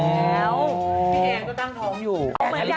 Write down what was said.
พี่แอนด์ก็ต้องท้องอย่างนี้